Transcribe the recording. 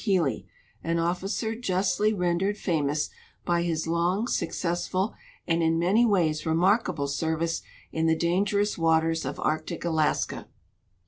Healy, an officer justlv^ rendered famous by his long, successful, and in many ways remarkable service in the dangerous waters of Arctic Alaska.